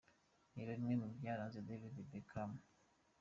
Reba bimwe mu byaranze David Beckham:.